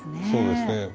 そうですね。